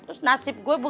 terus nasib gue